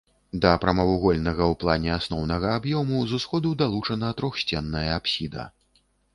Да прамавугольнага ў плане асноўнага аб'ёму з усходу далучана трохсценная апсіда.